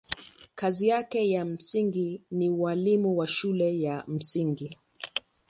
Kazi yake ya msingi ni ualimu wa shule ya msingi.